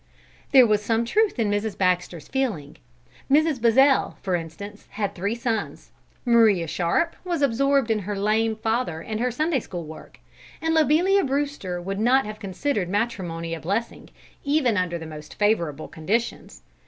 There was some truth in Mrs. Baxter's feeling. Mrs. Buzzell, for instance, had three sons; Maria Sharp was absorbed in her lame father and her Sunday school work; and Lobelia Brewster would not have considered matrimony a blessing, even under the most favourable conditions.